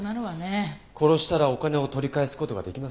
殺したらお金を取り返す事ができませんからね。